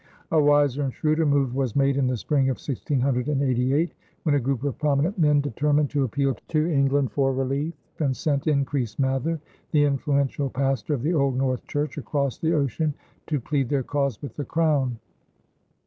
A wiser and shrewder move was made in the spring of 1688, when a group of prominent men determined to appeal to England for relief and sent Increase Mather, the influential pastor of the old North Church, across the ocean to plead their cause with the Crown.